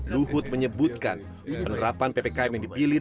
luhut menyebutkan penerapan ppkm yang dipilih